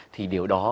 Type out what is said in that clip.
thì điều đó